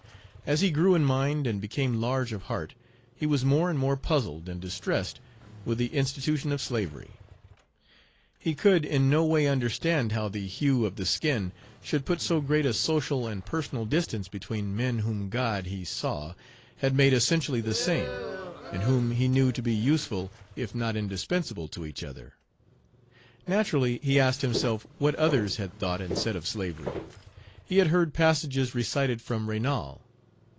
As he grew in mind, and became large of heart, he was more and more puzzled and distressed with the institution of slavery; he could in no way understand how the hue of the skin should put so great a social and personal distance between men whom God, he saw, had made essentially the same, and whom he knew to be useful if not indispensable Page 41 to each other. Naturally he asked himself what others had thought and said of slavery. He had heard passages recited from Raynal.